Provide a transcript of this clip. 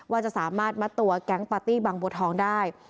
ว่าจะสามารถมัดตัวแก๊งปาร์ตี้บางบัวทองได้